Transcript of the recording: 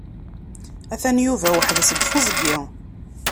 Atan Yuba weḥd-s deg teẓgi.